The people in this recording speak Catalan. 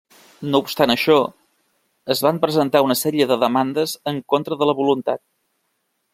No obstant això, es van presentar una sèrie de demandes en contra de la voluntat.